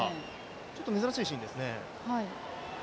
ちょっと珍しいシーンですね。